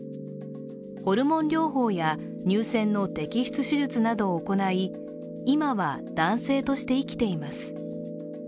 ホルモン療法や乳腺の摘出手術などを行い、今は男性として生きています。